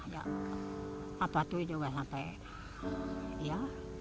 ya satu satunya juga sampai ya